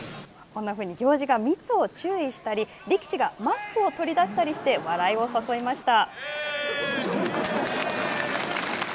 こんなふうに、行司が密を注意したり力士がマスクを取り出したりして笑いを誘いました。